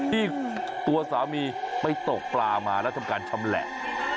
ที่ตัวสามีไปตกปลามาแล้วทำการชำแหละ